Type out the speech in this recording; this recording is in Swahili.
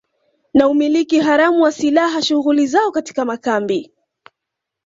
na umiliki haramu wa silaha shughuli zao katika makambi